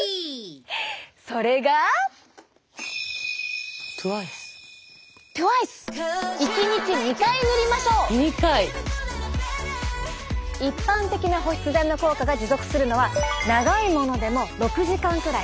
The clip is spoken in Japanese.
それが一般的な保湿剤の効果が持続するのは長いものでも６時間くらい。